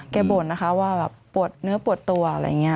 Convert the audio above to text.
บ่นนะคะว่าแบบปวดเนื้อปวดตัวอะไรอย่างนี้